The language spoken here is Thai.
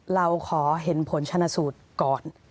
เราขอเห็นผลชนะสูตรก่อน